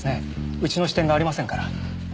うちの支店がありませんから。